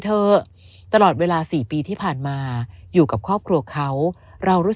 ตลอดเวลา๔ปีที่ผ่านมาอยู่กับครอบครัวเขาเรารู้สึก